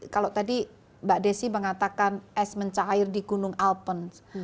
kalau tadi mbak desi mengatakan es mencair di gunung alpen